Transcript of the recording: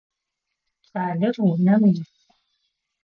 Кӏалэр унэм ис.